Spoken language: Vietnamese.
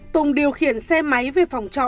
tùng điều khiển xe máy về phòng trọ